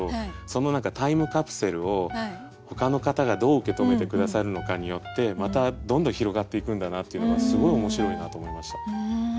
その何かタイムカプセルをほかの方がどう受け止めて下さるのかによってまたどんどん広がっていくんだなっていうのがすごい面白いなと思いました。